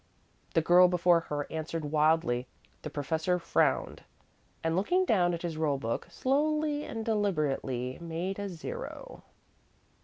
The girl before her answered wildly; the professor frowned, and, looking down at his roll book, slowly and deliberately made a zero.